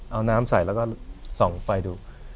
เอาน้ำใส่แล้วก็ส่องไฟดู